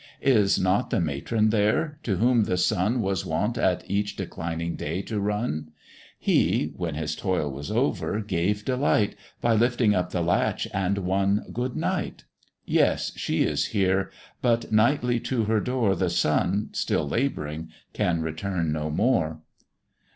Is not the matron there, to whom the son Was wont at each declining day to run? He (when his toil was over) gave delight, By lifting up the latch, and one "Good night." Yes, she is here; but nightly to her door The son, still lab'ring, can return no more.